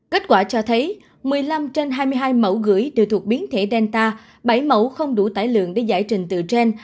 kết quả cho thấy một mươi năm trên hai mươi hai mẫu gửi đều thuộc biến thể delta bảy mẫu không đủ tải lượng để giải trình từ trên